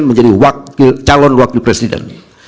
menjadi calon wakil presiden